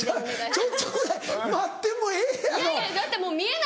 ちょっとぐらい待ってもええやろ。